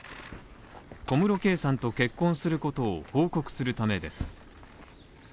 小室圭さんと結婚することを報告するためです。